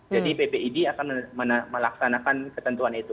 jadi ppid akan melaksanakan ketentuan itu